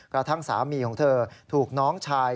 กระทั่งสามีของเธอถูกน้องชาย